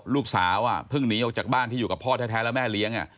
ลูกสาวเพิ่งหนีออกจากบ้านที่อยู่กับพ่อแท้แล้วแม่เลี้ยง